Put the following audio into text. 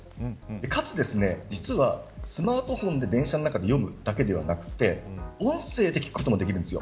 かつ実はスマートフォンで電車の中で読むだけではなく音声で聞くこともできるんですよ。